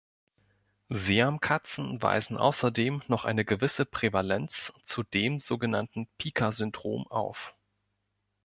Siamkatzen weisen außerdem noch eine gewisse Prävalenz zu dem so genannten Pica-Syndrom auf.